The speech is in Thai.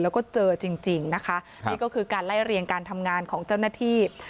แล้วก็เจอจริงนะคะนี่ก็คือการไล่เรียงการทำงานของเจ้าหน้าที่